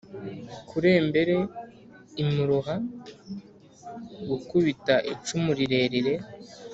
kurembere imuroha: gukubita icumu rirerire